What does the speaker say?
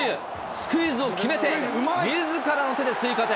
スクイズを決めて、みずからの手で追加点。